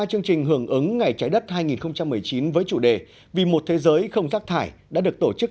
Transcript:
chương trình hưởng ứng ngày trái đất hai nghìn một mươi chín với chủ đề vì một thế giới không rác thải đã được tổ chức